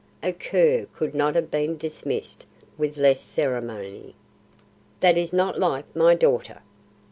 A cur could not have been dismissed with less ceremony." "That is not like my daughter.